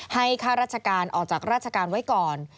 ข้าราชการออกจากราชการไว้ก่อน